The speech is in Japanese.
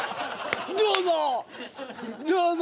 どうぞ！